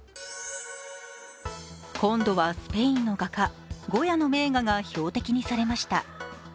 今度はスペインの画家、ゴヤの名画が標的にされました。